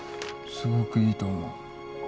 すごくいいと思う。